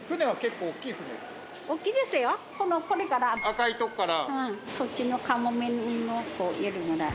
赤いとこから。